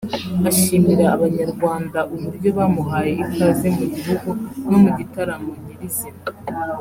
ashimira abanyarwanda uburyo bamuhaye ikaze mu gihugu no mu gitaramo nyiri izina